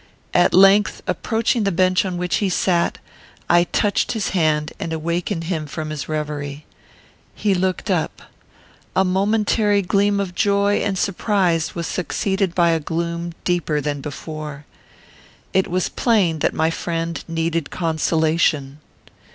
At length, approaching the bench on which he sat, I touched his hand and awakened him from his reverie. He looked up. A momentary gleam of joy and surprise was succeeded by a gloom deeper than before. It was plain that my friend needed consolation.